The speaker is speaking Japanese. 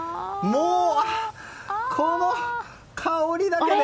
もう、この香りだけで。